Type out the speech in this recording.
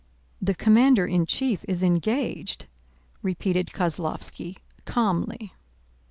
"The commander in chief is engaged," repeated Kozlóvski calmly.